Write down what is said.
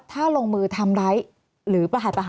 ถ้าลงมือทำร้ายหรือประหัสประหาร